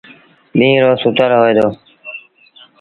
ڏيٚݩهݩ رو سُتل هوئي دو۔